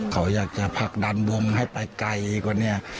เขาอยากจะผลักดันวงให้ไปไกลกว่านี้